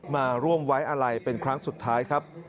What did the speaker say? มาร่วมไว้อะไรเป็นครั้งสุดท้ายครับ